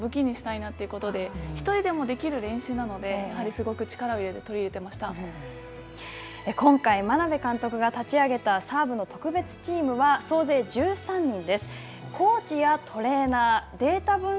私もやっぱりサーブを武器にしたいなということで、１人でもできる練習なので、やっぱりすごく力を入れて今回眞鍋監督が立ち上げた、サーブの特別チームは総勢１３人です。